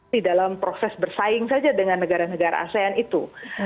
di dalam proses bersaing saja dengan negara negara asean itu